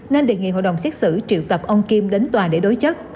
nên đề nghị hội đồng xét xử triệu tập ông kim đến tòa để đối chất